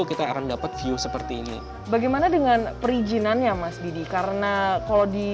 kita akan dapat view seperti ini bagaimana dengan perizinannya mas didi karena kalau di